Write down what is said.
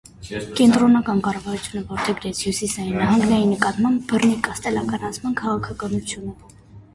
Կենտրոնական կառավարությունը որդեգրեց հյուսիսային նահանգների նկատմամբ բռնի կաստելականացման քաղաքականությունը։